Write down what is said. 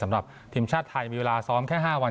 สำหรับทีมชาติไทยมีเวลาซ้อมแค่๕วัน